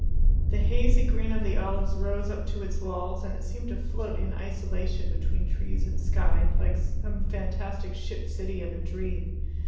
The hazy green of the olives rose up to its walls, and it seemed to float in isolation between trees and sky, like some fantastic ship city of a dream.